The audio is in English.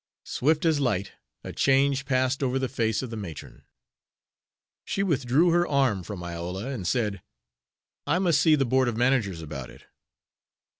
Swift as light a change passed over the face of the matron. She withdrew her arm from Iola, and said: "I must see the board of managers about it."